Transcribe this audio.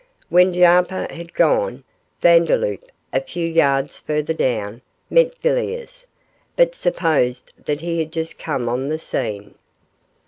When Jarper had gone Vandeloup, a few yards further down, met Villiers, but supposed that he had just come on the scene.